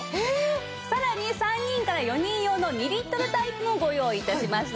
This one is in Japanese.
さらに３人から４人用の２リットルタイプもご用意致しました。